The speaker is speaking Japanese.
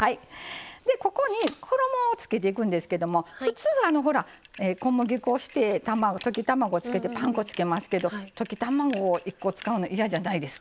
ここに衣をつけていくんですけども普通あのほら小麦粉して溶き卵つけてパン粉つけますけど溶き卵１個使うの嫌じゃないですか？